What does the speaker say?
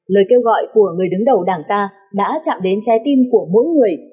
lời kêu gọi của người đứng đầu đảng ta đã chạm đến trái tim của mỗi người